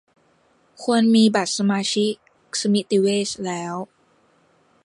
ควรมีบัตรสมาชิกสมิติเวชแล้ว